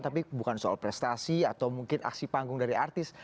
tapi bukan soal prestasi atau mungkin aksi panggung dari artis